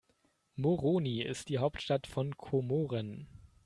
Moroni ist die Hauptstadt von Komoren.